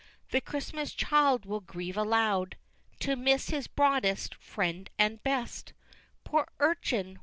The Christmas child will grieve aloud To miss his broadest friend and best, Poor urchin!